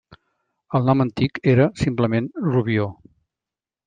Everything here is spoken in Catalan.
El nom antic era, simplement, Rubió.